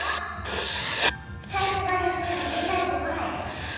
さいしょがゆっくりでさいごがはやく。